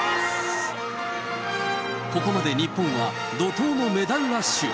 ここまで日本は、怒とうのメダルラッシュ。